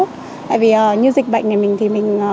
tại vì như dịch bệnh này mình thì mình cũng không đi ra ngoài